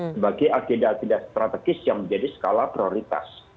sebagai agenda agenda strategis yang menjadi skala prioritas